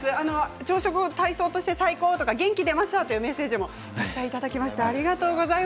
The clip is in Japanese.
朝食後の体操として最高元気が出ましたというメッセージもたくさんいただきました。